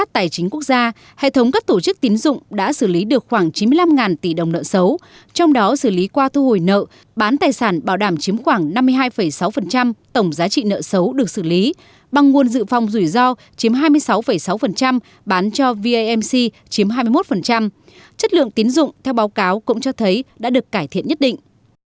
trong các tổ chức tín dụng đã xử lý được khoảng chín mươi năm tỷ đồng nợ xấu trong đó xử lý qua thu hồi nợ bán tài sản bảo đảm chiếm khoảng năm mươi hai sáu tổng giá trị nợ xấu được xử lý băng nguồn dự phòng rủi ro chiếm hai mươi sáu sáu bán cho vamc chiếm hai mươi một chất lượng tín dụng theo báo cáo cũng cho thấy đã được cải thiện nhất định